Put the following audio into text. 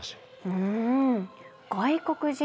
うん。